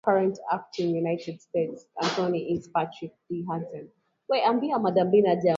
The current Acting United States Attorney is Patrick D. Hansen.